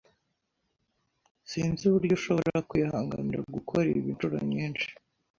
Sinzi uburyo ushobora kwihanganira gukora ibi inshuro nyinshi.